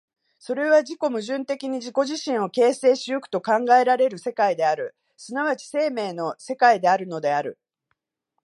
それは自己矛盾的に自己自身を形成し行くと考えられる世界である、即ち生命の世界であるのである。